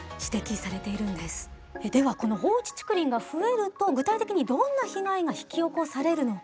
ではこの放置竹林が増えると具体的にどんな被害が引き起こされるのか。